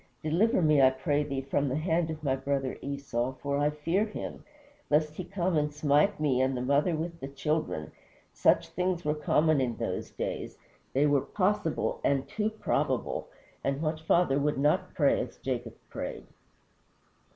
Deliver me, I pray thee, from the hand of my brother Esau, for I fear him, lest he come and smite me and the mother with the children." Such things were common in those days they were possible and too probable and what father would not pray as Jacob prayed?